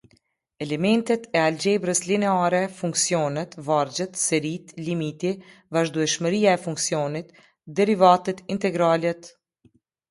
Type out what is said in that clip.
Elementet e algjebrës lineare, funksionet, vargjet, seritë, limiti, vazhdueshmëria e funksionit, derivitet integralet.